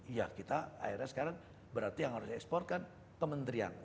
iya kita akhirnya sekarang berarti yang harus ekspor kan kementerian